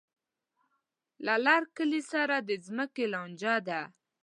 له لر کلي سره د ځمکې لانجه ده.